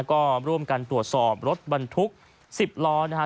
ก็ร่วมกันตรวจสอบรถบรรทุก๑๐ล้อนะฮะ